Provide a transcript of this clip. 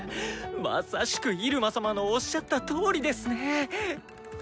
まさしく入間様のおっしゃったとおりですね。